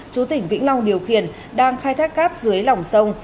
chú tỉnh vĩnh long điều khiển đang khai thác cát dưới lòng sông